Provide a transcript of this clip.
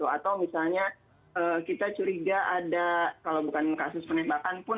atau misalnya kita curiga ada kalau bukan kasus penembakan pun